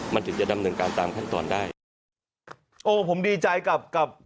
ผมดีใจกับ